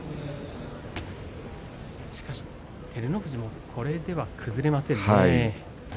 しかし照ノ富士もこれでは崩れませんね。